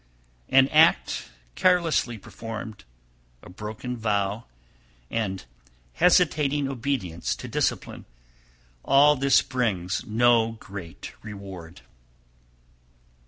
312. An act carelessly performed, a broken vow, and hesitating obedience to discipline, all this brings no great reward.